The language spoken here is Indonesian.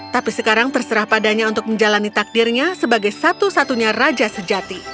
tapi sekarang terserah padanya untuk menjalani takdirnya sebagai satu satunya raja sejati